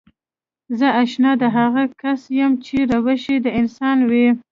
زه اشنا د هغه کس يم چې روش يې د انسان وي.